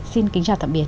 xin kính chào tạm biệt